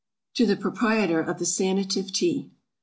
To the Proprietor of the SANATIVE TEA.